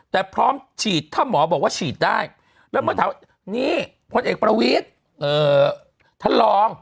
แต่พร้อมฉีดถ้าหมอบอกว่าฉีดได้แล้วเมื่อถามว่านี่พลเอกประวิทธิ์ท่านรอง